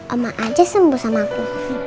oma aja sembuh sama aku